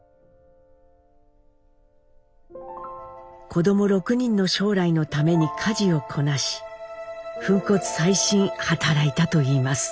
子ども６人の将来のために家事をこなし粉骨砕身働いたと言います。